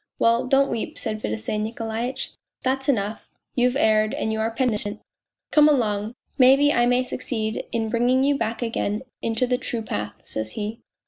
...'' Well, don't weep,' said Fedosey Nikolaitch, ' that's enough : you've erred, and you are penitent ! Come along ! Maybe I may succeed in bringing you back again into the true path,' says he